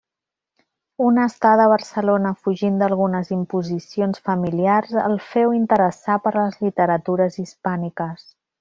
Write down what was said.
Una estada a Barcelona fugint d'algunes imposicions familiars el féu interessar per les literatures hispàniques.